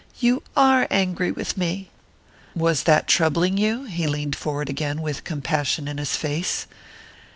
"You are angry with me!" "Was that troubling you?" He leaned forward again, with compassion in his face.